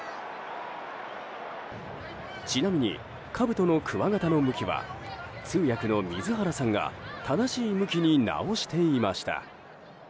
ちなみにかぶとのくわ形の向きは通訳の水原さんが正しい向きに直していました。